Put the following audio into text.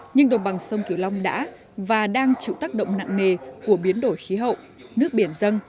nhưng đồng bằng sông kiều long đã và đang chịu tác động nặng nề của biến đổi khí hậu nước biển dân